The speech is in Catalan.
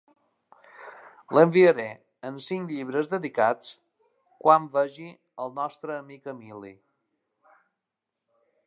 L'enviaré, amb cinc llibres dedicats, quan vegi el nostre amic Emili.